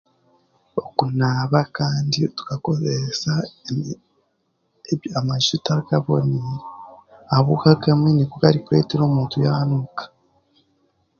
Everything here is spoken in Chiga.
Okunaaba kandi tukakozesa ami emi amajuta gaboneire ahabwokuba gamwe nigo garikureetera omuntu yaanuka